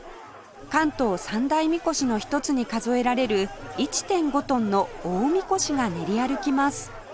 関東三大みこしの一つに数えられる １．５ トンの大みこしが練り歩きます